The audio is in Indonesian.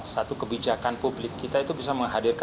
satu kebijakan publik kita itu bisa menghadirkan